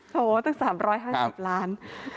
โหตั้ง๓๕๐ล้าน